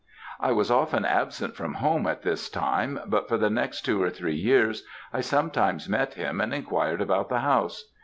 "I was often absent from home at this time, but for the next two or three years I sometimes met him and inquired about the house.